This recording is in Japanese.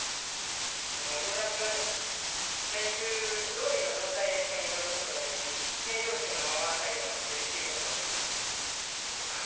もうようやく練習どおりの状態で試合に挑むことができ、平常心のまま最後まで滑り切ることができました。